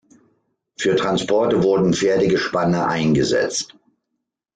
Für Transporte wurden Pferdegespanne eingesetzt.